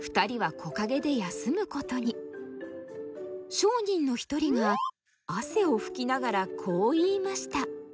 商人の一人が汗を拭きながらこう言いました。